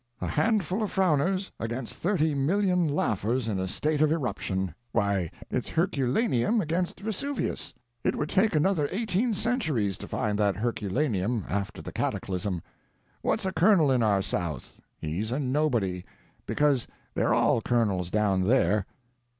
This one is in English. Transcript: A handful of frowners against thirty million laughers in a state of irruption. Why, it's Herculaneum against Vesuvius; it would take another eighteen centuries to find that Herculaneum after the cataclysm. What's a Colonel in our South? He's a nobody; because they're all colonels down there.